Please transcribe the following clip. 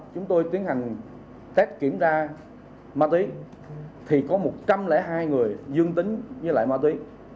chúng tôi tiến hành test kiểm tra ma túy thì có một trăm linh hai người dương tính với lại ma túy